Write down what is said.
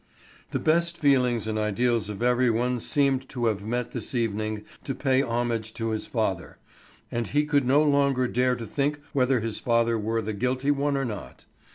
The best feelings and ideals of every one seemed to have met this evening to pay homage to his father; and he no longer dared to think whether his father were the guilty one or not.